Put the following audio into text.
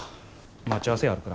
待ち合わせあるから。